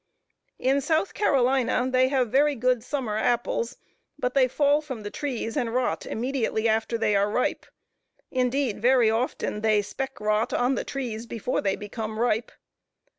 In South Carolina they have very good summer apples, but they fall from the trees, and rot immediately after they are ripe; Indeed, very often they speck rot on the trees, before they become ripe.